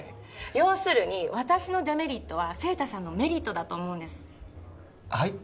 要するに私のデメリットは晴太さんのメリットだと思うんですはい？